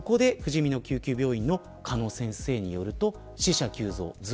そこで、ふじみの救急病院の鹿野先生によると死者急増。